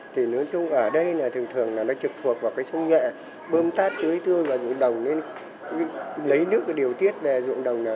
thì nói chung ở đây thường thường trực thuộc vào sông nhuệ bơm tát tưới tương vào dụng đồng nên lấy nước điều tiết về dụng đồng